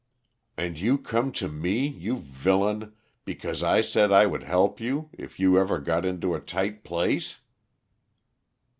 "And you come to me, you villain, because I said I would help you if you ever got into a tight place?"